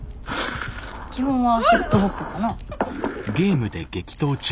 ・基本はヒップホップかな。